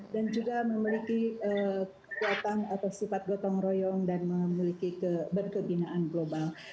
dan juga memiliki kekuatan atau sifat gotong royong dan memiliki keberkebinaan global